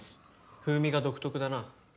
風味が独特だな。